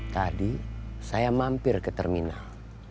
tadi saya mampir ke terminal